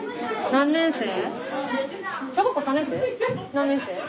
何年生？